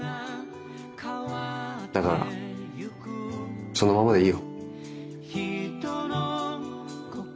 だからそのままでいいよ。